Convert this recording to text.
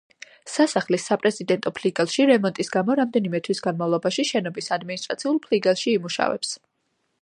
სასახლის საპრეზიდენტო ფლიგელში რემონტის გამო, რამდენიმე თვის განმავლობაში შენობის ადმინისტრაციულ ფლიგელში იმუშავებს.